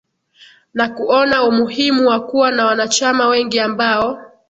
na kuona umuhimu wa kuwa na wanachama wengi ambao